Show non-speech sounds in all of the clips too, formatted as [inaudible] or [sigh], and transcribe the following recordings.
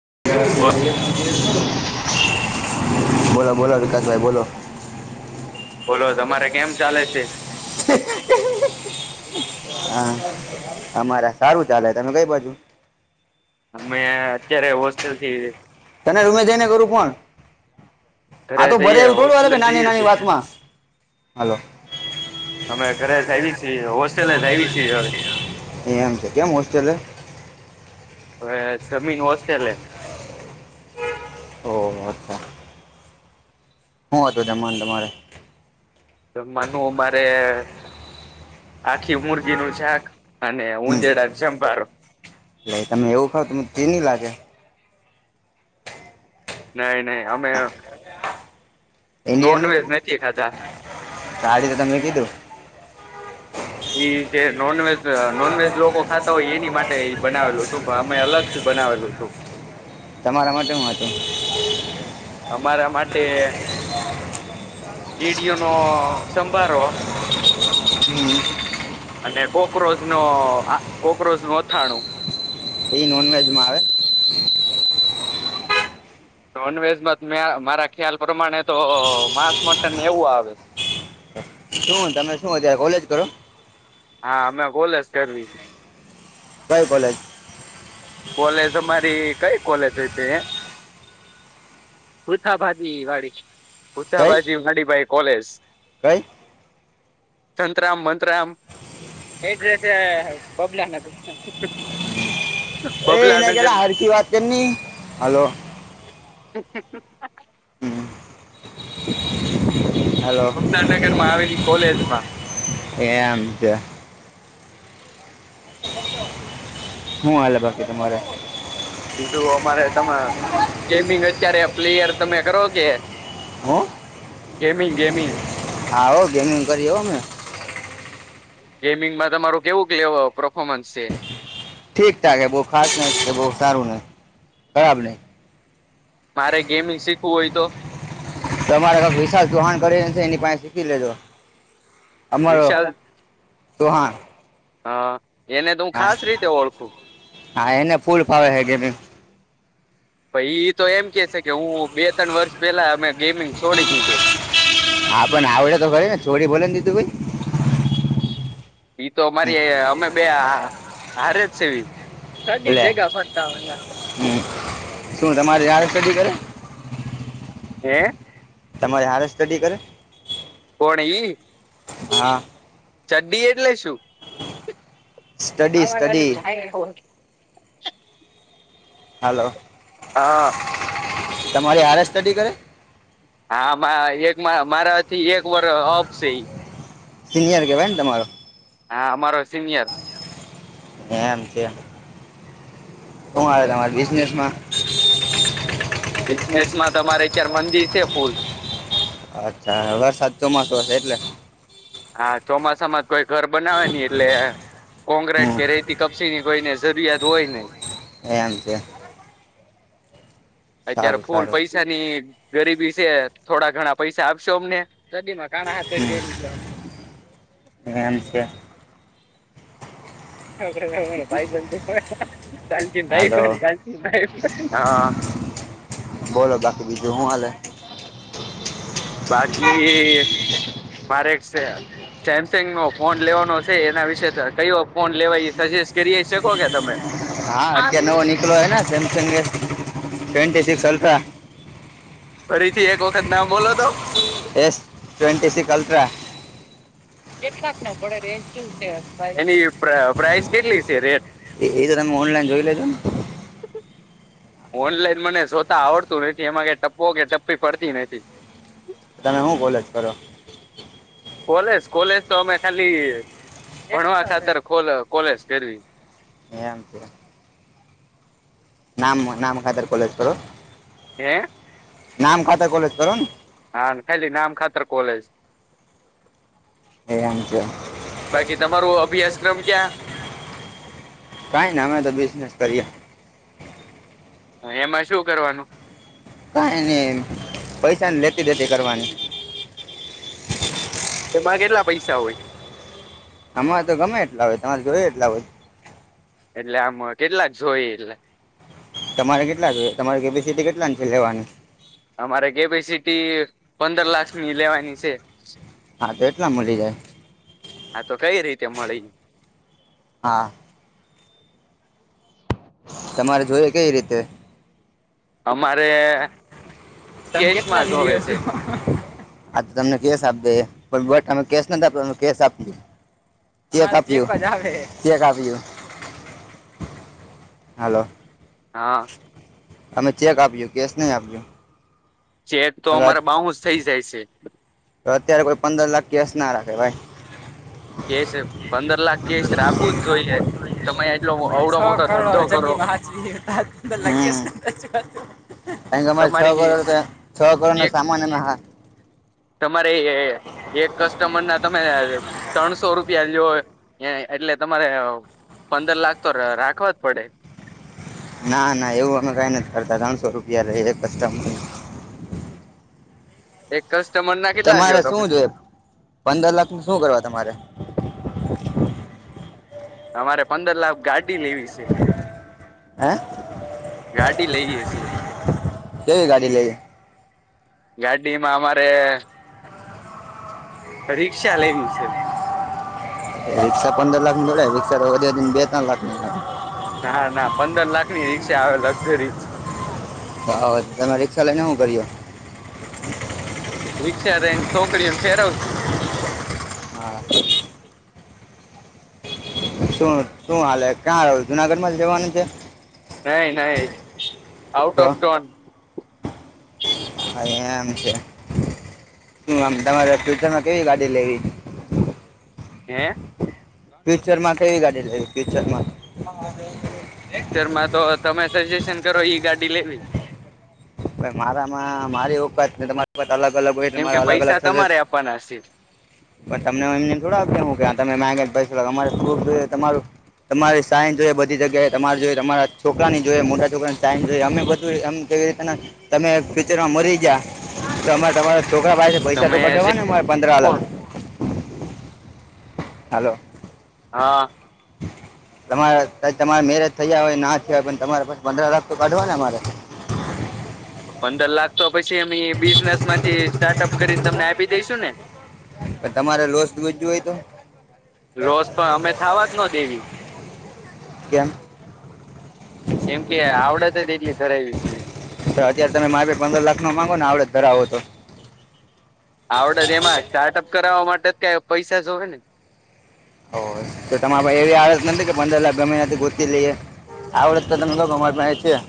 [inaudible] બોલો બોલો વિકાસભાઈ બોલો. [inaudible] બોલો તમારે કેમ ચાલે છે હા અમારા સારું ચાલે તમે કઈ બાજુ અમે અત્યારે હોસ્ટેલ થી તને રૂમે જઈને કરું પણ ઘરે હા તો ભરે જઈએ એવું થોડું [unintelligible] હોસ્ટેલે કે નાની જઈએ નાની છીએ વાતમાં હાલો. અમે ઘરે જ આવી છીએ હોસ્ટેલે જ આવી છીએ હવે [inaudible] એમ છે કેમ હોસ્ટેલે હવે સમીન હોસ્ટેલે ઓ અચ્છા. હું હતું જમવાના તમારે. તો માનું અમરે આખી મુરગી નું શાક અને હમ. ઉંદેડા ન ચંભારો. એટલે તમે એવું ખાવ તો મને તે ની લાગે. નહી નહી અમે નોન વેજ નથી ખાતા. ગાડી તો તમે કીધું. એ છે નાનવેજ નોનવેજ લોકો ખાતા હોય એની માટે બનાવેલું હતું પણ અમે અલગથી બનાવેલું હતું. તમારા માટે હું હતું? અમારા માટે ડેડીયો નો સંભારોહ હતું અને કોક્રોચ નો આ કોક્રોચ નું અથાણું. એ નોન વેજમાં આવે. નોનવેજમાં મે મારા ખ્યાલ પ્રમાણે તો માંસ મટન ને એવું આવે. શું તમે શું ત્યારે કોલેજ કરો? હા અમે કોલેસ કરવી. કોઈ કોલેજ? કોલેજ અમારી કઈ કોલેજ હોય તે ભુથા ભાજી વાળી. કઈ ભુથાભાજી હડીભાઈ કોલેજ કઈ સંતરામ મંતરામ એજ રતે પબલા ન હતું [inaudible] એ એના કેલા હરકી વાત કરની, હલો [unintelligible] [unintelligible] હલો બબલાનગરમાં આવેલી કોલેજમાં એમ છે. હું હલે બાકી તમારે? બીજુ અમારે તમે ગેમિંગ અત્યારે પ્લેયર તમે કરો કે? હો. Gaming gaming. હા હો ગેમિંગ કરી હો અમે. ગેમિંગમાં તમારું કેવું કલેવ પરફોમન્સ છે? ઠીક ઠાક હૈ બહુ ખાસ ન બહુ સારું ન ખરાબ નહીં. મારે ગેમિંગ શીખવું હોય તો? તમારે ક વિશાલ ચૌહાણ કરીને એની પાસે શીખી લેજો. અમારો વિશાલ. ચૌહાણ. હા એને તો હું હા ખાસ રીતે ઓળખું. હા એને ફૂલ ફાવે હે ગેમિંગ. પ ઈ તો એમ કે છે કે હું બે ત્રણ વર્ષ પેલા અમે ગેમિંગ છોડી દીધું આપણ આવડે તો ખારી ને છોરી ભલે ને દીધું હોય. ઈ તો અમારી અમે બે હારે જ છેવી. કદી લે ભેગા ફરતા હોરા. હમ. શું તમારે [unintelligible] સી કરે હે. તમારે હારે સ્ટડી કરે? કોણ ઈ? હા. ચડ્ડી એટલે શું? [unintelligible] સ્ટડી સ્ટડી [unintelligible] હાલો હા તડીી કર હામાં એકમાં મારાથી એક વર અપશે સિનિયર કેહેવાય તમારો હા અમારો સિનિયર એમજ શું આવે તમારી બિઝનેસ માં બિઝનેસ માં તમારેતાર મંદી છે ફૂલ અચ્છા વરસાત ચોમાસું હશે એટલે હા ચોમાસામાં જ કોઈ ઘર બનાવે નની એટલે કોક્રેટ હમ કે રેતી કપસીીની હોય ને જરૂરિયાત હોય ને એમ કે અત્યારે ફૂલ પૈસાની ગરીબી છે થોડા ઘણા પૈસા આપશો અમને સડી માં કાણા હારી હમ ગ એમ છે [inaudible] હાલો [inaudible] હા હ.. [inaudible] બાકી મારે એક સેમસંગ નો ફોન લેવાનો છે એના વિશેે કયો ફોન લેવા એ સજેસ્ટ કરી શકો કે તમે હા અત્યારે નવો નીકળ્યો હોય ને સેમસંગ ટવેન્ટી સિકક્સ અલ્ફા ફરીથી એક વખત ના બોલો તો એસ ટ્વેન્ટી સિક અલ્ટ્રા થોડ રે એની પ્રઇસ કેટલી છે રેટ એ એ તો તમે ઓનલાઈન જોઈ લેજો ને ઓનલાઈન મને શોતા આવડતું નથી એમાં કે ટપવો કે ટપી પડતી નથી હ કોલેજ કોલેજ તો અમે ખાલી ભણવા ખાતર કોલેજ ફેરવી. એંમ છે. નામ નામ ખાતર કોલેજ કરો. હે! નામ ખાતર કોલેજ કરોને. હ ખાલી નામ ખાતર કોલેજ. એમ છે બાકી તમારો અભ્યાસક્રમ ક્યાં? કઈ ના અમે તો બિઝનેસ કર્યા. એમાં શું કરવાનું? કઈ ન પૈસા લેતી દેતી કરવાની. એમાં કેટલા પૈસા હોય? અમાં તો ગમે એટલા હોય તમારે જોયું એટલા હોય. એટલે આમ કેટલા જોય એટલે? જોઈએ તમારી થી કેટલા છે લેવાની અમારે કેપેસિટી પંદર લાખ ની લેવાની છે. હા તો એટલા મળી જાય. હા તો કઈ રીતે મળી [unintelligible] હા. તમારે જોય કઈ રીતે? અમારે તમે કેટલા કેશમાં લીધ જોવે હ છો? છે આ તો તમને કેસ આપ દે પણ અમે કેસ નથી આપ અમે કેસ આપ દ તે આપ્યું ચેક આપ્યું. હાલો. હા. તમે ચેક આપ્યું કેશ નહીં આપ્યું. ચેક તો અમારે બાઉન્સ થઇ જાય છે. તો અત્યારે કોઈ પંદર લાખ કેશ ના રાખે ભાઈ. કેશ પંદર લાખ કેશ રાખવું જ જોઈએ. તમે એટલો અવડો સો મોટો કરોડો [inaudible] ધંધો એટલે કરો તમારે છ કરોડ તમારી તે છ કરોડ નો સામાન એમાં હા તમારે એ એક કસ્ટમર ના તમે ત્રણસો રૂપિયા લ્યો એ એટલે તમારે અહ પંદર લાખ તો ર રાખવા જ પડે. ના, ના એવું અમે કાઈ નથી કરતા, ત્રણસો રૂપિયા લઈ એક કસ્ટમરના. એક કસ તમારે શું જોઈએ, પંદર લાખ નું શું કરવા તમારે? અમારે પંદર લાખ ગાડ ડી લેવી સે. હે ગાડી લઈએ સે. કેવી ગાડી લેવી? ગાડીમાં અમારે રીક્ષા લેવી સે. રીક્ષા પંદર લાખ ની થોડી આવે. રીક્ષા તો વધી વધી ને બે ત્રણ લાખની મળે. પછી આવે લગઝરી જ. હા તમે રિક્ષા લઈને હું કર્યો? રિક્ષા રેન છોકરીઓ ને ફેરવશી. હા. શું-શું હાલે, કા રહો જુનાગઢ માં જ રહેવાનું છે? નહીં, નહીં, આઉટ તો ઓફ ટોન હા એમ છે. હમ્મ આમ તમારે ફ્યુચરમાં કેવી ગાડી લેવી? હે. ફ્યુચર માં કેવી ગાડી લેવી ફ્યુચર માં. ફ્યુચરમાં તો તમે સજેશન કરો ઈ ગાડી લેવી. મારામાં મારી ઉપત ને તમારી ઉપત અલગ અલગ હોય કેમ કે મારા અલગ અલગ પૈસા સજેશ. તમારે આપવાના છે પણ તમને અમને થડા કેમે [unintelligible] તમારે સાયન જોઈએ બધી જગ્યાએ તમારે જોઈ તમારા છોકરાની જોઈએ મોટા છોકરાને સાયન જોઈ અમે બધું એમ. એ તમે ફ્યુચરમાં મરી જા. તો અમારે તમારા છોકરા પાસે પૈસા તો તમે જે કઢાવા ને અમારે પંદરા આપો લાખ? હાલો. હા. [inaudible] તમારા તમારા મેરેજ થયા હોય ના થયા હોય પણ તમારે પંદરા લાખ તો કાઢવા ને મારે. [inaudible] પંદર લાખ તો પછી અમે બિઝનેસ માંથી સ્ટાર્ટઅપ કરીને તમને આપી દઈશુ ને? પણ તમારે લોસ જુઈતી હોય તો? રોસ પણ અમે થાવા જ ન દેવી. કેમ? કેમ કે આવડત જ એટલી ધરાવી છે અત્યારે તમે મા પંદર લાખ નો માંગો ન આપ ઘર આવો તો. આવડે જ એમાં સ્ટાર્ટઅપ કરાવવા માટે કઈ પૈસા જોહે ને. તો તમારા પાહે એવી આવડત નથી કે પંદર લાખ ગમે યાદી ગોતી લઈએ? આવડત તો તમે કો અમારી પાસે છે?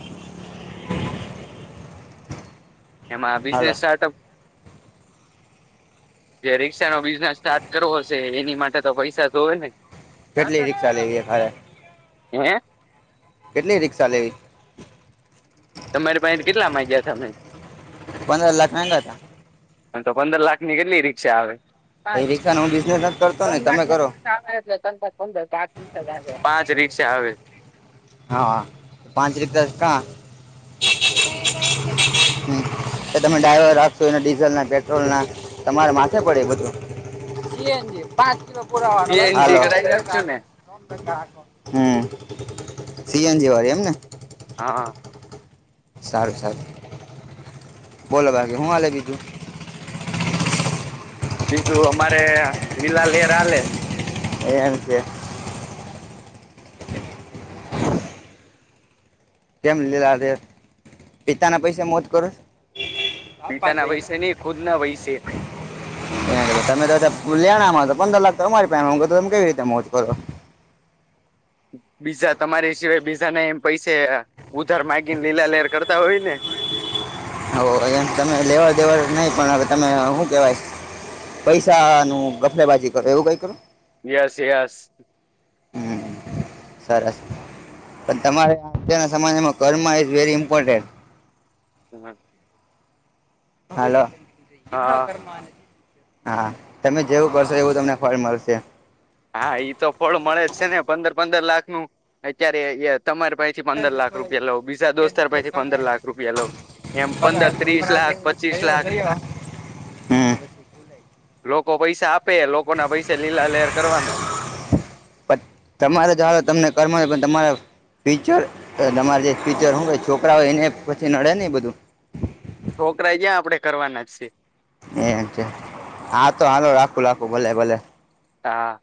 એમાં હાલો બિઝનેસ સ્ટાર્ટઅપ. નો બિઝનેસ સ્ટાર્ટ કરવો હશે એની માટે તો પૈસા તો હોય ને. કેટલી રીક્ષા લેવીએ મારે? હે. કેટલી રીક્ષા લેવી? તમારી પાસે કેટલા માંગ્યા તમે પંદરા લાખ મહેનત ના. તો પંદર લાખ ની કેટલી રીક્ષા આવે? કઈ રીક્ષા ન હું બિઝનેસ કરતો ને તમે કરો [unintelligible] પાંચ રીક્ષા આવે. હા પાંચ રીક્ષા કા. હમ્મ. એ તમે ડ્રાઈવર આપશો એને ડીઝલ ના પેટ્રોલ ના તમારે માથે પડે એ બધું. સી - એન -જી પાંચ સીએનજી હાલો કરાવી નાખશું ને હમ્મ. સીએનજી વાળી એમને. હા. સારું સારું. બોલો બાકી હું હાલે બીજું? બીજું અમારે લીલા લેર હાલે. એમ છે. કેમ લીલા લેર પિતાના પૈસા મોજ કરો. પિતાના પૈસે નહી ખુદ ના પૈસે [unintelligible] તમે તો. લેણામાં તો પંદર લાખ તો અમારી તમે કેવી રીતે મોજ કરો? બીજા તમારી સિવાય બીજા ના એમ પૈસે ઉધાર માગીને લીલા લેર કરતા હોય ને. આવો એમ તમે લેવાડ દેવાડ નહી પણ હવે તમે હું કેવાય? પૈસા નું ગફલેબાજી કરો એવું કઈ કરો? Yes yes. હમ સરસ. પણ તમારે આ અત્યારના સમયમાં કર્મા ઈઝ વેરી ઇમ્પોર્ટેન્ટ. હા. હલો, હા હા તમે જેવું કરશો એવું તમને ફળ મળશે. હા ઈ તો ફળ મળે જ છે ને, પંદર-પંદર લાખ નું અત્યારે એ તમારે પાહેથી પંદર લાખ રૂપિયા લવ, બીજા દોસ્તાર પાહેથી પંદર લાખ રૂપિયા લઉ. એમ પંદર, ત્રીસ લાખ, પચીસ લાખ હમ્મ. લોકો પૈસા આપે, લોકો ના પૈસા લ પણ તમારે જ આવે તમને કરમા પણ તમારા ફ્યુચર અહ તમારે જે ફ્યુચર હું હોય છોકરાવ એનેય પછી નડે ને બધું. છોકરા જ્યાં આપડે કરવાના જ સે. એમ છે. હા તો હાલો રાખું-રાખું, ભલે-ભલે. તા